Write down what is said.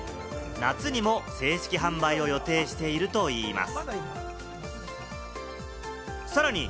夏にも正式販売を予定しているといいます。